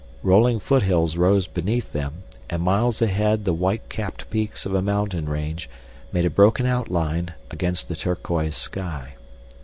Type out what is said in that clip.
Rolling foothills rose beneath them and miles ahead the white capped peaks of a mountain range made a broken outline against the turquoise sky.